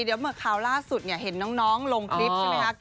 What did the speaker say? เดี๋ยวเมื่อข่าวล่าสุดเนี่ยเห็นน้องลงคลิปใช่ไหมคะ